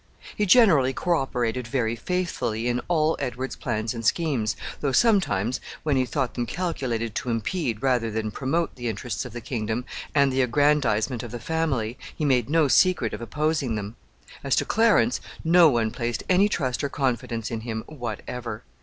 He generally co operated very faithfully in all Edward's plans and schemes, though sometimes, when he thought them calculated to impede rather than promote the interests of the kingdom and the aggrandizement of the family, he made no secret of opposing them. As to Clarence, no one placed any trust or confidence in him whatever.